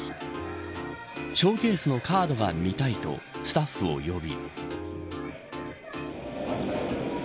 ショーケースのカードが見たいとスタッフを呼び。